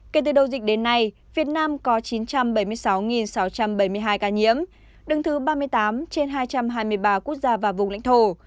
kể từ đầu dịch đến nay việt nam có chín trăm bảy mươi sáu sáu trăm bảy mươi hai ca nhiễm đứng thứ ba mươi tám trên hai trăm hai mươi ba quốc gia và vùng lãnh thổ